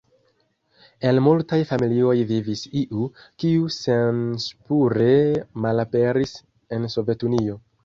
En multaj familioj vivis iu, kiu senspure malaperis en Sovetunio.